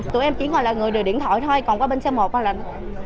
tụi em chỉ gọi là người đưa điện thoại thôi còn qua bên xe một là nó hướng dẫn khách từ từ